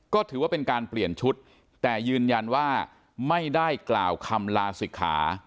ก็ถือว่าเป็นการเปลี่ยนชุดแต่ยืนยันว่าไม่ได้กล่าวคำลาศิกขา